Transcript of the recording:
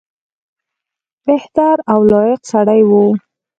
بهتر او لایق سړی وو.